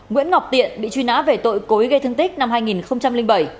nguyễn ngọc tiện bị truy nã về tội cố ý gây thương tích năm hai nghìn bảy